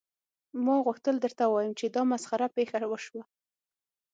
ما غوښتل درته ووایم چې دا مسخره پیښه وشوه